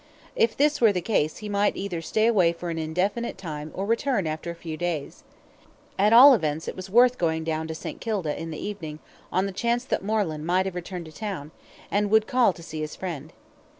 If this were the case he might either stay away for an indefinite time or return after a few days. At all events it was worth while going down to St. Kilda in the evening on the chance that Moreland might have returned to town, and would call to see his friend.